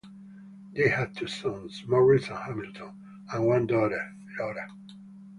They had two sons, Morris and Hamilton, and one daughter, Laura.